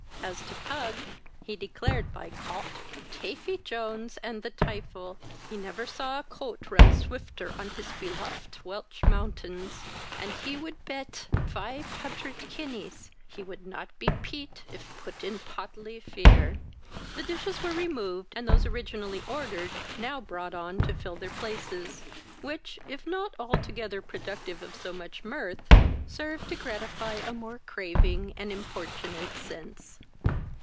As to Pug, he declared by Cot, Tavy Jones, and the tifel, he never saw a coat run swifter on this belofed Welch mountains, and he would pet fife hundred kineas he would not be peat if put in podily fear. The dishes were removed, and those originally ordered now brought on to fill their places, which, if not altogether productive of so much mirth, served to gratify a more craving and imporunate sense.